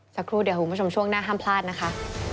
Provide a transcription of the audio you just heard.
สักครู่เดี๋ยวคุณผู้ชมช่วงหน้าห้ามพลาดนะคะ